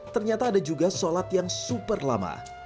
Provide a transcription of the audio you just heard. ternyata ada juga sholat yang super lama